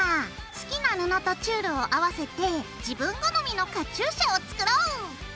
好きな布とチュールを合わせて自分好みのカチューシャを作ろう！